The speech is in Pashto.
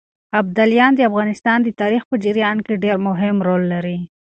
ابداليان د افغانستان د تاريخ په جريان کې ډېر مهم رول لري.